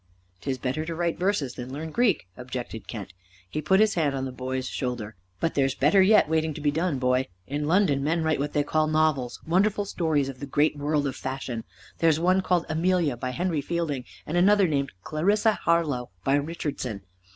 "'Tis better to write verses than learn Greek," objected Kent. He put his hand on the boy's shoulder. "But there's better yet waiting to be done, boy. In London men write what they call novels; wonderful stories of the great world of fashion. There's one called 'Amelia,' by Henry Fielding, and another named 'Clarissa Harlowe,' by Richardson.